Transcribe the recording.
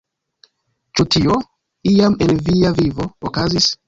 Ĉu tio, iam en via vivo, okazis?